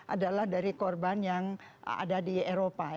adalah dari korban yang ada di eropa